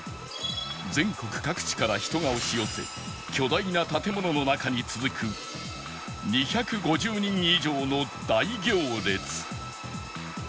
全国各地から人が押し寄せ巨大な建物の中に続く２５０人以上の大行列